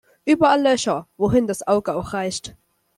Überall Löcher, wohin das Auge auch reicht.